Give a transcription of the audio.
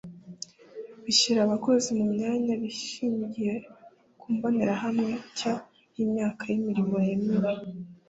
bishyira abakozi mu myanya bishingiye ku mbonerahamwe nshya y imyanya y imirimo yemejwe